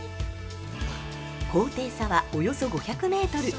高低差はおよそ５００メートル